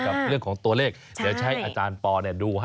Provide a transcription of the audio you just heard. แล้วก็เป็นหลักในการดู